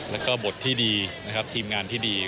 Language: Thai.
และบททีมงานที่ดี